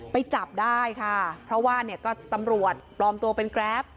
ไปจับได้ค่ะเพราะว่าเนี่ยก็ตำรวจปลอมตัวเป็นแกรป